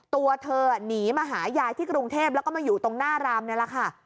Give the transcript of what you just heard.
ตัวเธอหนีมาหายายที่กรุงเทพแล้วก็มาอยู่ตรงหน้ารามนี่แหละค่ะ